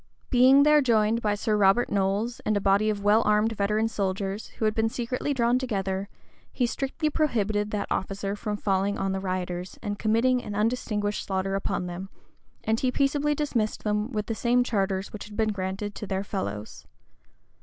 Being there joined by Sir Robert Knolles, and a body of well armed veteran soldiers, who had been secretly drawn together, he strictly prohibited that officer from falling on the rioters, and committing an undistinguished slaughter upon them; and he peaceably dismissed them with the same charters which had been granted to their fellows.